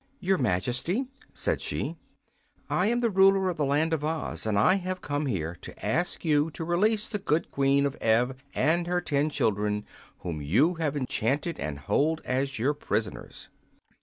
"Your Majesty," said she, "I am the ruler of the Land of Oz, and I have come here to ask you to release the good Queen of Ev and her ten children, whom you have enchanted and hold as your prisoners."